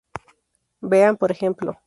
Bean, por ejemplo.